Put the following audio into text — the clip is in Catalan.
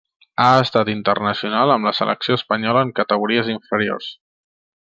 Ha estat internacional amb la selecció espanyola en categories inferiors.